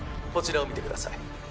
こちらを見てください